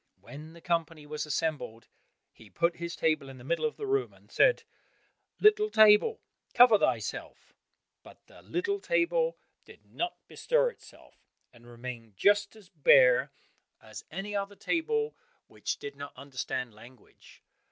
When the company was assembled, he put his table in the middle of the room and said, "Little table, cover thyself," but the little table did not bestir itself, and remained just as bare as any other table which did not understand language.